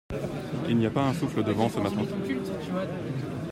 Il n’y a pas un souffle de vent ce matin.